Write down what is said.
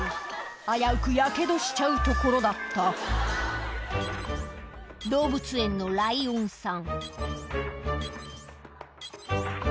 危うくやけどしちゃうところだった動物園のライオンさん